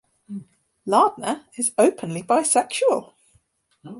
Lardner is openly bisexual.